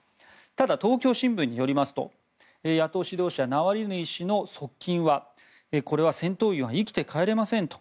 ただ、東京新聞によりますと野党指導者ナワリヌイ氏の側近は戦闘員は生きて帰れませんと。